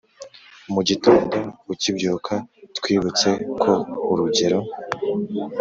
mugitondo ukibyuka twibutse ko urugero